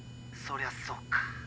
そりゃそうか。